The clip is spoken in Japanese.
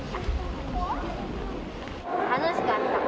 楽しかった？